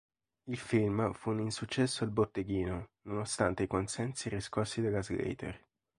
Il film fu un insuccesso al botteghino, nonostante i consensi riscossi dalla Slater.